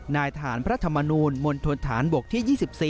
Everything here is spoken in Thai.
นายทหารพระธรรมนูลมณฑนฐานบกที่๒๔